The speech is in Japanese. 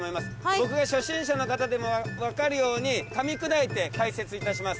僕が初心者の方でも分かるようにかみ砕いて解説いたします。